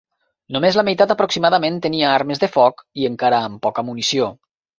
Només la meitat aproximadament tenien armes de foc i encara amb poca munició.